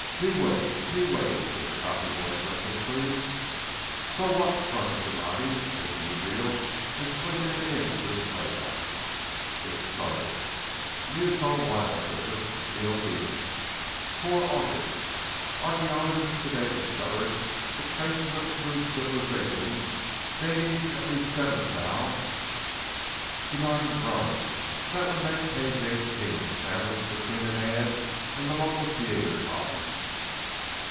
"Z wave! Z wave!" said the copy boy breathlessly. "So what ?" grunted Donatti, taking the reel and slipping it into his playback. It started: "Neosol Wire Service. Neovenus, Four August. Archeologists today discovered the traces of a crude civilization dating at least seven thous " Donatti groaned. That would make page eighteen, sandwiched between an ad and the local theatre column.